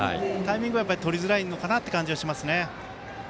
タイミングがとりづらいのかなという感じがしますね。